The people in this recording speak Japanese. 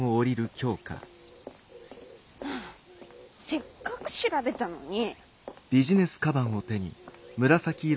せっかく調べたのに。